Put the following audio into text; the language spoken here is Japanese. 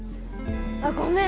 あっごめん